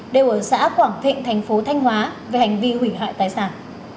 đều ở xã quảng thịnh thành phố thanh hóa về hành vi hủy hoại tài sản